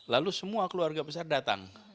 lalu semua keluarga besar datang